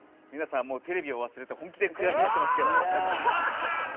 もうテレビを忘れて本気で悔しがってますけど。